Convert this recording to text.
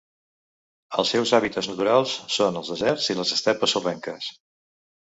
Els seus hàbitats naturals són els deserts i les estepes sorrenques.